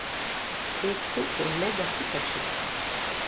Les scouts l'aident à se cacher.